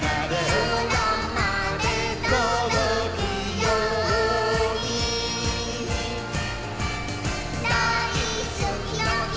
「そらまでとどくように」「だいすきの木」